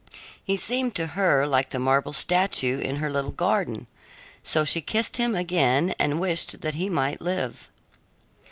He seemed to her like the marble statue in her little garden, so she kissed him again and wished that he might live.